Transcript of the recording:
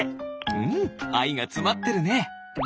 うんあいがつまってるね。